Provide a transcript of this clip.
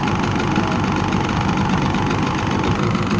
และมันกลายเป้าหมายเป้าหมายเป้าหมายเป้าหมาย